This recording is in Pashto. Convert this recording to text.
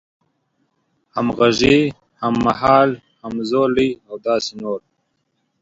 همغږی، هممهال، همزولی او داسې نور